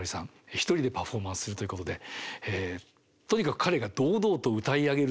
一人でパフォーマンスするということでとにかく彼が堂々と歌い上げるということがテーマ。